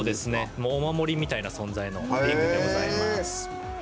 お守りみたいな存在のリングでございます。